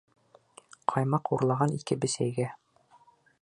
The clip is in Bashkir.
Ҡаймаҡ урлаған ике бесәйгә!